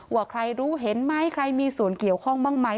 ว่าใครรู้เห็นไหมใครมีส่วนเกี่ยวข้องบ้างไหม